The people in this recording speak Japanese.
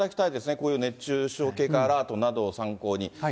こういう熱中症警戒アラートなどを参考に。